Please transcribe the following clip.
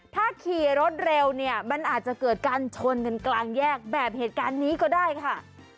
ถ้าขี่รถเร็วเนี่ยมันอาจจะเกิดการชนกันกลางแยกแบบเหตุการณ์นี้ก็ได้ค่ะ